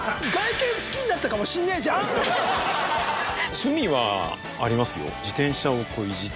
趣味はありますよ。